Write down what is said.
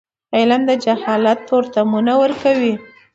علم د جهالت تورتمونه ورکوي.